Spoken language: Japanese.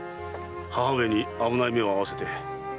母上を危ない目に遭わせて。